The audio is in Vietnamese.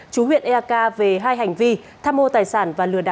chú huyện eak về hai hành vi tham mô tài sản và lừa đảo